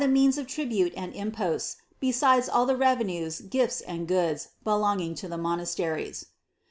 means of tribute aod imposts, besides all the revenues, gifts, and goods, belonging to the monasteries."